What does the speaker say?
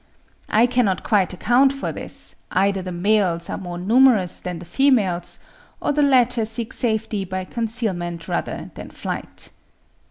I cannot quite account for this; either the males are more numerous than the females, or the latter seek safety by concealment rather than flight."